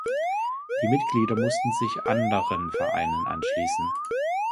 Die Mitglieder mussten sich anderen Vereinen anschließen.